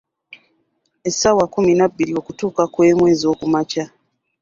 Essaawa kkumi na bbiri okutuuka ku emu ez’oku makya.